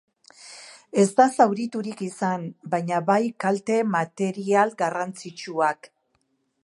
Ez da zauriturik izan baina bai kalte material garrantzitsuak.